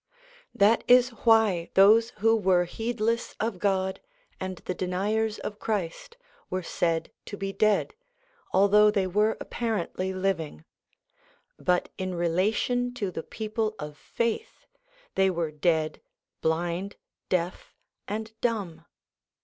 That is why those who were heedless of God, and the deniers of Christ, were said to be dead, although they were apparently living ; but in relation to the people of faith they were dead, blind, deaf, and dumb.